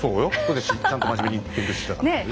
私ちゃんと真面目に勉強してきたから。